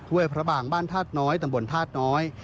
พระบางบ้านธาตุน้อยตำบลธาตุน้อย